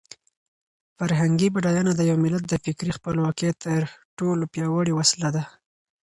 فرهنګي بډاینه د یو ملت د فکري خپلواکۍ تر ټولو پیاوړې وسله ده.